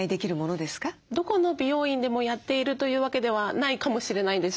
どこの美容院でもやっているという訳ではないかもしれないんですよ。